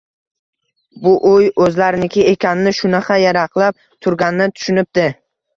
Bu uy oʻzlariniki ekanini shunaqa yaraqlab turganini tushunibdi